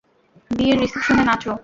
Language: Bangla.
বিয়ের রিসিপশনে নাচ।